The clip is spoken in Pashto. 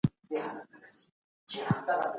په تشو میټینګونو کي له تاریخ سره ډزې کېدلې.